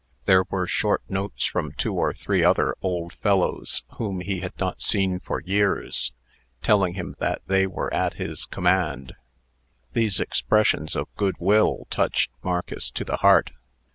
There were short notes from two or three other old fellows whom he had not seen for years, telling him that they were at his command. These expressions of good will touched Marcus to the heart.